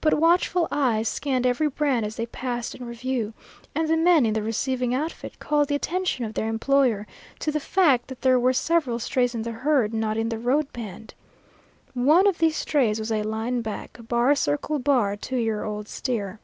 But watchful eyes scanned every brand as they passed in review, and the men in the receiving outfit called the attention of their employer to the fact that there were several strays in the herd not in the road brand. One of these strays was a line back, bar circle bar, two year old steer.